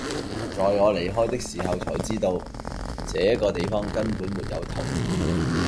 在我離開的時候才知道，這個地方根本沒有桃